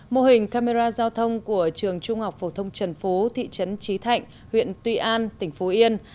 mô hình camera giao thông của trường trung học phổ thông trần phú thị trấn trí thạnh huyện tuy an tỉnh phú yên